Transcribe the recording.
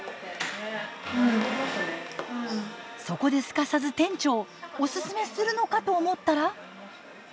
そこですかさず店長オススメするのかと思ったら。